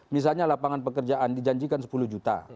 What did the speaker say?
misalnya lapangan pekerjaan dijanjikan sepuluh juta